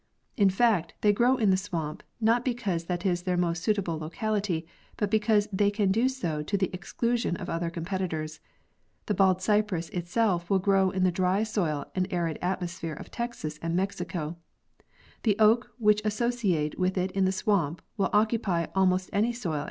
In fact, they grow in the swamp, not because that is their most suitable locality, but because they can do so to the exclusion of other competitors. The bald cypress itself will grow in the dry soil and arid atmosphere of Texas and Mexico; the oak which associate with it in the swamp will oc cupy almost any soil.